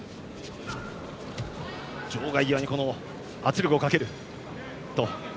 場外際に圧力をかける。